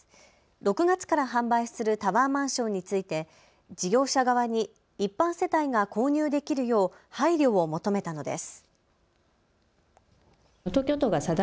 ６月から販売するタワーマンションについて事業者側に一般世帯が購入できるよう配慮を求めたのです。